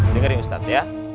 dengarin ustad ya